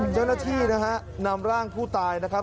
เจ้าหน้าที่นะฮะนำร่างผู้ตายนะครับ